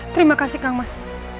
terima kasih kang mas